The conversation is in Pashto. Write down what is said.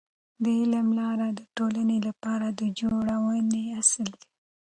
د علم لاره د ټولنې لپاره د جوړونې اصل دی.